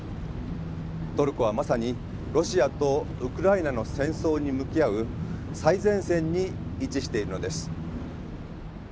トルコはまさにロシアとウクライナの戦争に向き合う最前線に位置しているのです。